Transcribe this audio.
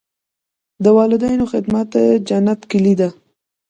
د والدینو خدمت د جنت کلي ده.